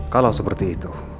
kalau seperti itu